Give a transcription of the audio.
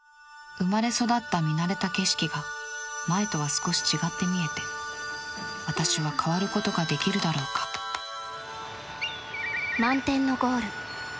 生まれ育った見慣れた景色が前とは少し違って見えて私は変わることができるだろうか「満天のゴール」。